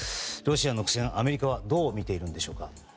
ロシアの苦戦をアメリカはどう見ているんでしょうか？